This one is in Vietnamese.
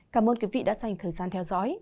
cảm ơn quý vị đã dành thời gian theo dõi